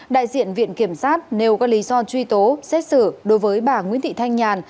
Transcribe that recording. đại diện viện kiểm sát nêu các lý do truy tố xét xử đối với bà nguyễn thị thanh nhàn